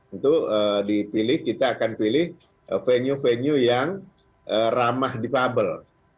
itu dipilih kita akan pilih venue venue yang ramah di pabel